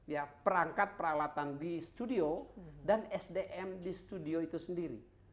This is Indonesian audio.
ya perangkat peralatan di studio dan sdm di studio itu sendiri